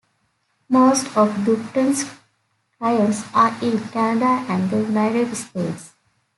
Most of Dupont's clients are in Canada and the United States.